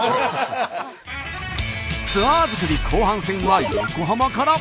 ツアー作り後半戦は横浜から。